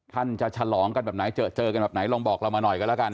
ท่านจะฉลองกันแบบไหนเจอเจอกันแบบไหนลองบอกเรามาหน่อยกันแล้วกัน